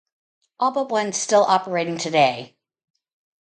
All but one still operating today.